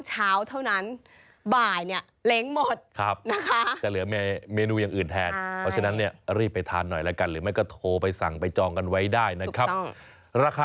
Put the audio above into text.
ได้เส้นบะหมี่วันละ๒๑กิโลกรัมหรือว่าตกก็ประมาณ๒๐๐ชามอ่ะ